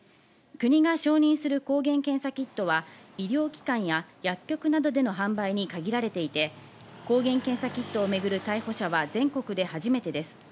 国が承認する抗原検査キットは医療機関や薬局などでの販売に限られていて、抗原検査キットを巡る逮捕者は全国で初めてです。